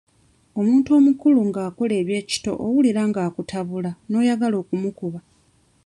Omuntu omukulu nga akola eby'ekito owulira nga akutabula n'oyagala okumukuba.